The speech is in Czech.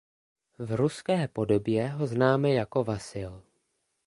V ruské podobě ho známé jako Vasil.